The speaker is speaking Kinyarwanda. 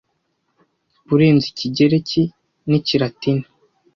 kurenza ikigereki n'ikilatini